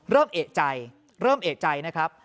เริ่มเอกใจเริ่มเอกใจนะครับ